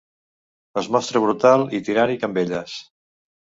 Es mostra brutal i tirànic amb elles.